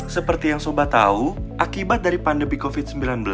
seperti yang soba tahu akibat dari pandemi covid sembilan belas